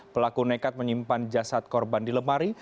pelaku nekat menyimpan jasad korban di lemari